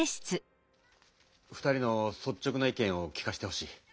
２人のそっちょくな意見を聞かしてほしい。